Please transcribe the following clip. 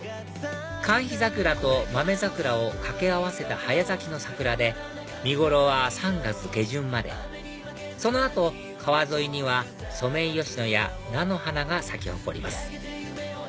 カンヒザクラとマメザクラを掛け合わせた早咲きの桜で見頃は３月下旬までその後川沿いにはソメイヨシノや菜の花が咲き誇ります